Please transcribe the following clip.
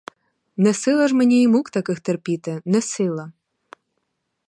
Несила ж мені і мук таких терпіти, несила!!